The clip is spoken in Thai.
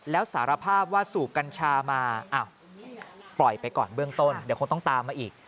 แล้วสารภาพว่าสูบกัญชามาปล่อยไปก่อนเบื้องต้นเดี๋ยวคงต้องตามมาอีก